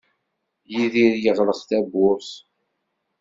Yidir yeɣleq tawwurt.